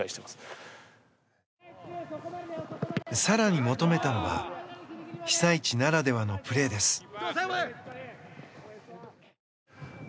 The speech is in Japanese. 更に求めたのは被災地ならではのプレーです。